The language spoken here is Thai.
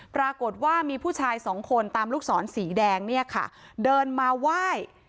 ปรากฏว่ามีผู้ชายสองคนตามลูกศรสีแดงเนี่ยค่ะเดินมาไหว้